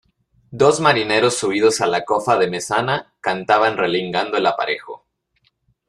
dos marineros subidos a la cofa de mesana, cantaban relingando el aparejo.